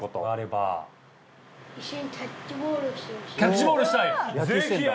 キャッチボールしたい？